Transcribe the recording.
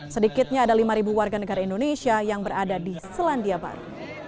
sedikitnya ada lima warga negara indonesia yang berada di selandia baru